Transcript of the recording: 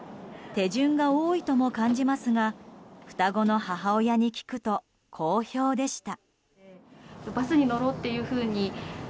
手順が多いとも感じますが双子の母親に聞くと好評でした。